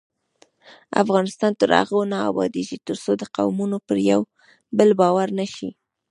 افغانستان تر هغو نه ابادیږي، ترڅو د قومونو پر یو بل باور پیدا نشي.